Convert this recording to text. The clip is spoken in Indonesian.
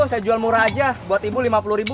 saya jual murah aja buat ibu lima puluh ribu